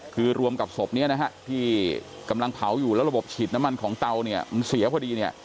คือรวมกับศพนี้นะฮะที่กำลังเผาอยู่แล้วระบบฉีดน้ำมันของเตาเนี่ยมันเสียพอดีเนี่ย